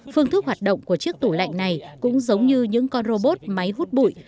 phương thức hoạt động của chiếc tủ lạnh này cũng giống như những con robot máy hút bụi